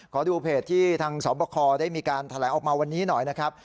ขอดูเพจที่ทางสอบคอได้มีการแถลงออกมาวันนี้หน่อยนะครับ